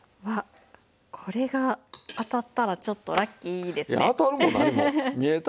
わっこれが当たったらちょっとラッキーですね。